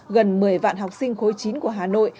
gần một mươi vạn học sinh khối chín của hà nội